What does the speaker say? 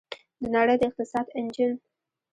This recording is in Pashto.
د نړۍ د اقتصاد انجن.